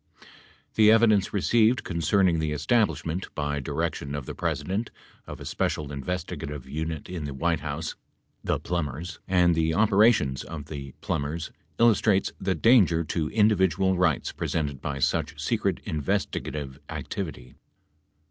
The evidence received concerning the establishment, by direction of the President, of a special investigative unit in the White House (the Plumbers) and the operations of the Plumbers illustrates the danger to individual rights presented by such secret investigative activity.